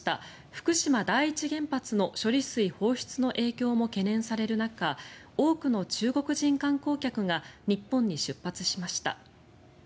福島第一原発の処理水放出の影響も懸念される中多くの中国人観光客が日本に出発しました。